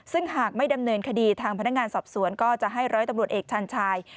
ซึ่งหากไม่ดำเนินคดีทางพนักงานสอบสวนก็จะให้ร้อยตำรวจเอกชันชาย